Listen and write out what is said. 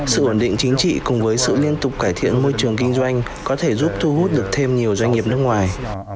sự ổn định chính trị cùng với sự liên tục cải thiện môi trường kinh doanh có thể giúp thu hút được thêm nhiều doanh nghiệp nước ngoài